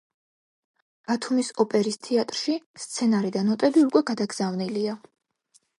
ბათუმის ოპერის თეატრში სცენარი და ნოტები უკვე გადაგზავნილია.